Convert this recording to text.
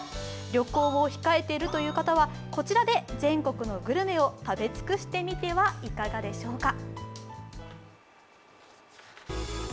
旅行を控えているという方は、こちらで全国のグルメを食べ尽くしてみてはいかがでしょうか。